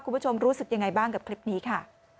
คุณผู้ชมรู้สึกยังไงบ้างกับคลิปนี้ค่ะ